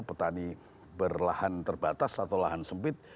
petani berlahan terbatas atau lahan sempit